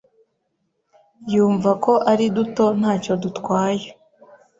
yumva ko ari duto ntacyo dutwaye